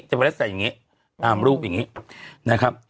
ไม่ได้ใส่อย่างนี้ตามรูปอย่างนี้นะครับ